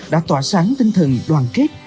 đã tỏa sáng tinh thần đoàn kết